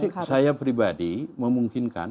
menurut saya pribadi memungkinkan